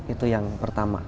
itu yang pertama